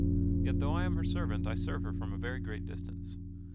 Yet though I am her servant I serve her from a very great distance.